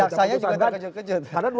jaksanya juga terkejut kejut